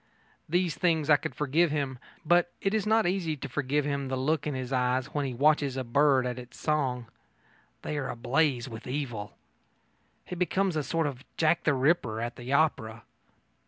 These things I could forgive him, but it is not easy to forgive him the look in his eyes when he watches a bird at its song. They are ablaze with evil. He becomes a sort of Jack the Ripper at the opera.